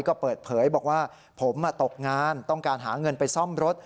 ก็เปิดเผยบอกว่าผมตกงานต้องการหาเงินไปซ่อมรถ